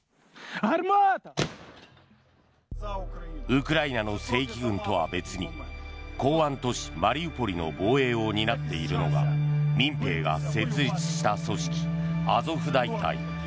ウクライナの正規軍とは別に港湾都市マリウポリの防衛を担っているのが民兵が設立した組織アゾフ大隊。